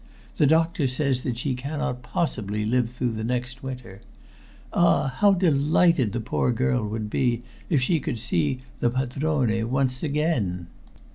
The doctor says that she cannot possibly live through the next winter. Ah! how delighted the poor girl would be if she could see the padrone once again!"